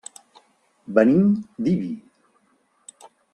Venim d'Ibi.